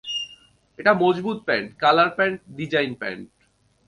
এটা মজবুত pant, colour pant, design pant.